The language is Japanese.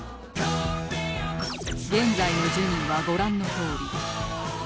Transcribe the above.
現在の順位はご覧のとおり